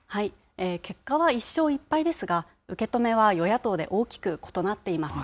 結果は１勝１敗ですが、受け止めは与野党で大きく異なっています。